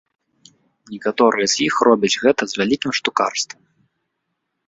Некаторыя з іх робяць гэта з вялікім штукарствам.